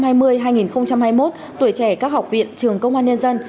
tuổi trẻ các học viện trường công an nhân dân